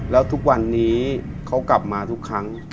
แล้วทุกวันนี้เขากลับมาทุกครั้ง